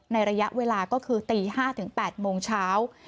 ระยะเวลาก็คือตี๕ถึง๘โมงเช้า